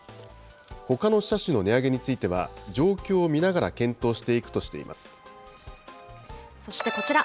ほかの車種の値上げについては、状況を見ながら検討していくとしそしてこちら。